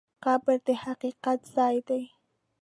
قبر د حقیقت ځای دی.